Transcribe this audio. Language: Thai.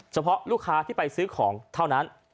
เฉพาะลูกค้าที่ไปซื้อของเท่านั้น